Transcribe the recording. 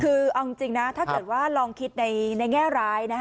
คือเอาจริงนะถ้าเกิดว่าลองคิดในแง่ร้าย